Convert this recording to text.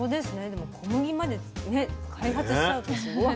でも小麦までね開発しちゃうってすごい。